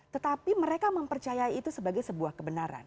tetapi mereka mempercayai itu sebagai sebuah kebenaran